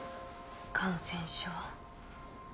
感染症。